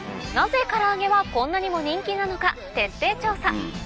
なぜから揚げはこんなにも人気なのか徹底調査。